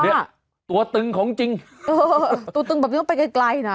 เนี่ยตัวตึงของจริงตัวตึงแบบนี้ก็ไปไกลนะ